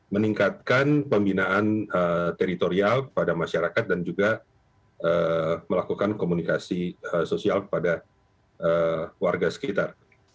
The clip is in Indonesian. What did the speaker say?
meningkatkan pembinaan teritorial kepada masyarakat dan juga melakukan komunikasi sosial kepada warga sekitar